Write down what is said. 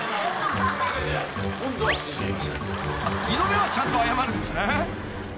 ［二度目はちゃんと謝るんですね］